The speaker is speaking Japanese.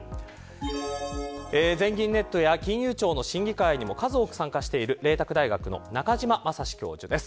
全銀ネットや金融庁の審議会にも数多く参加している麗澤大学の中島真志教授です。